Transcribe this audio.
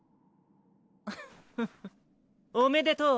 フフおめでとう！